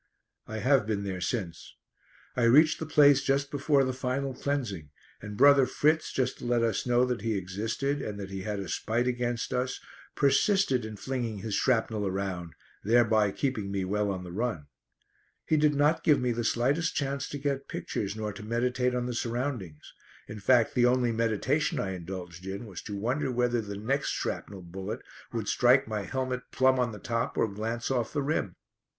I have been there since. I reached the place just before the final cleansing, and brother Fritz, just to let us know that he existed, and that he had a spite against us, persisted in flinging his shrapnel around, thereby keeping me well on the run. He did not give me the slightest chance to get pictures, nor to meditate on the surroundings; in fact the only meditation I indulged in was to wonder whether the next shrapnel bullet would strike my helmet plumb on the top or glance off the rim.